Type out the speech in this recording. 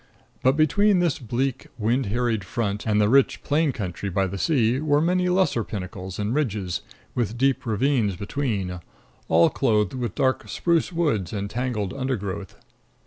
But between this bleak, wind harried front and the rich plain country by the sea were many lesser pinnacles and ridges, with deep ravines between, all clothed with dark spruce woods and tangled undergrowth.